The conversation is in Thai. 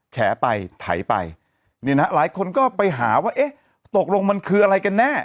แฉไปไถไปเนี่ยนะหลายคนก็ไปหาว่าเอ๊ะตกลงมันคืออะไรกันแน่